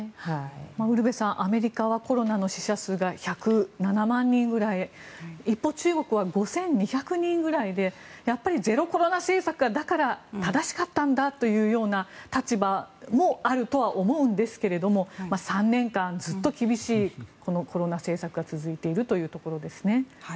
ウルヴェさんアメリカはコロナの死者数が１０７万人ぐらい一方、中国は５２００人ぐらいでやっぱりゼロコロナ政策がだから正しかったんだというような立場もあるとは思うんですが３年間ずっと厳しいコロナ政策が続いているというところですね。